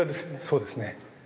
そうですね。